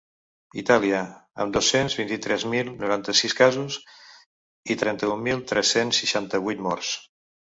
Itàlia, amb dos-cents vint-i-tres mil noranta-sis casos i trenta-un mil tres-cents seixanta-vuit morts.